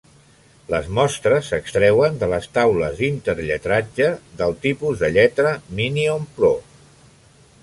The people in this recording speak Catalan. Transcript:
Les mostres s'extreuen de les taules d'interlletrage del tipus de lletra Minion Pro.